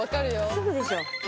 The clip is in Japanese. すぐでしょ。